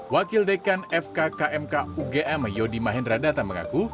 wakil dekan fkkmk ugm yodi mahendra datang mengaku